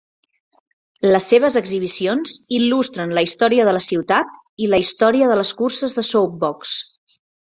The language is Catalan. Les seves exhibicions il·lustren la història de la ciutat i la història de les curses de Soapbox.